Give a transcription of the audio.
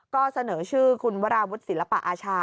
ก็เสนอชื่อคุณวราวุฒิศิลปะอาชา